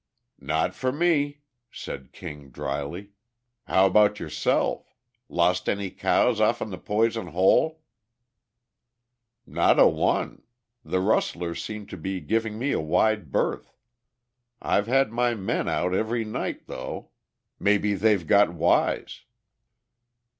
"Not for me," said King drily. "How about yourself? Lost any cows off'n the Poison Hole?" "Not a one. The rustlers seem to be giving me a wide berth. I've had my men out every night, though. Maybe they've got wise."